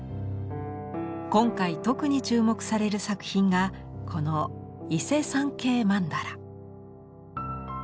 今回特に注目される作品がこの「伊勢参詣曼荼羅」。